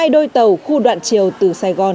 một mươi hai đôi tàu khu đoạn chiều từ sài gòn